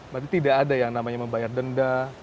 berarti tidak ada yang namanya membayar denda